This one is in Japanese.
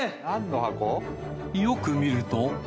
よく見ると。